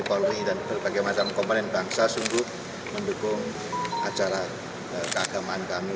polri dan berbagai macam komponen bangsa sungguh mendukung acara keagamaan kami